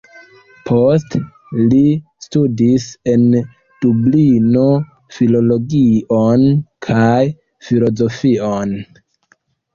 Poste li studis en Dublino filologion kaj filozofion.